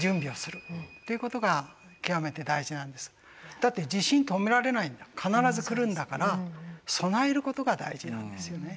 だって地震止められない必ず来るんだから備えることが大事なんですよね。